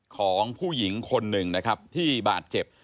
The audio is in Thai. ของผู้หญิงคนหนึ่งนะครับที่บาดเจ็บ